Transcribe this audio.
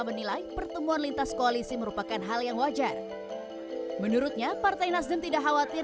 menilai pertemuan lintas koalisi merupakan hal yang wajar menurutnya partai nasdem tidak khawatir